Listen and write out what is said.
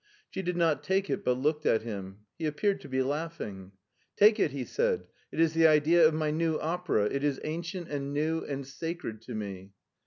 She did not take it, but looked at him. He appeared to be laughing. " Take it," he said ;" it is the idea of my new qpera ; it is ancient and new and sacred to me."